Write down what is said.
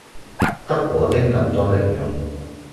得果丁咁多零用